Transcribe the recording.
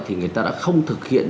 thì người ta đã không thực hiện